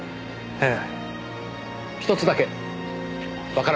ええ。